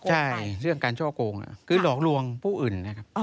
ใช่เรื่องการช่อโกงคือหลอกลวงผู้อื่นนะครับ